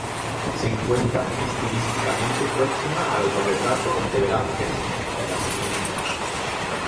Se encuentra estilísticamente próxima al autorretrato de Velázquez en "Las Meninas".